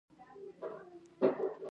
هغه د پسرلی په بڼه د مینې سمبول جوړ کړ.